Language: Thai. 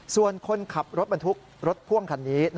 ส่วนคนขับรถบรรทุกรถพ่วงคันนี้